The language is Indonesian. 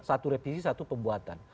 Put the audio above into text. satu revisi satu pembuatan